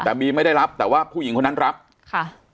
แต่บีไม่ได้รับแต่ว่าผู้หญิงคนนั้นรับค่ะ